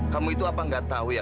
kamu itu apa nggak tahu ya